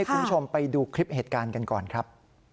คุณผู้ชมไปดูคลิปเหตุการณ์กันก่อนครับ